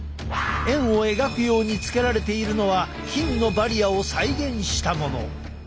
円を描くようにつけられているのは菌のバリアを再現したもの。